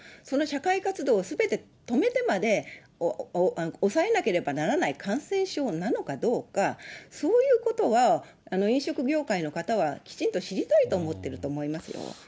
その社会活動をすべて止めてまで、抑えなければならない感染症なのかどうか、そういうことは、飲食業界の方は、きちんと知りたいと思ってると思いますよ。